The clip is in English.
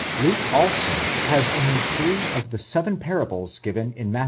Luke, also, has only three of the seven parables given in Matt.